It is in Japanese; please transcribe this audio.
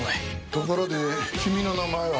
ところで君の名前は？